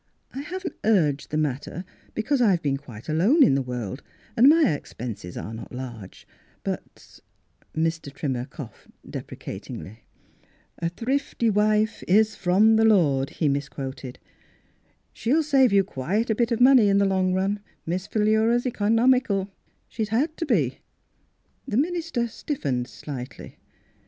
" I haven't urged the matter Mdss Fhilura's Wedding Gown because I've been quite alone in the world, and my expenses are not large. But —" Mr. Trimmer coughed deprecatingly. " A thrifty wife is from the Lord," he misquoted. " She'll save you quite a bit of money in the long run. Miss Philura's economical; she's had to be." The minister stiffened slightly.